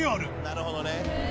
なるほどね。